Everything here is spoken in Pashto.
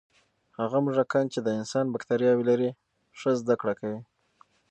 هغه موږکان چې د انسان بکتریاوې لري، ښه زده کړه کوي.